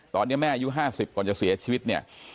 ตอนนี้แม่อายุ๕๐ก่อนจะเสียชีวิตเนี่ย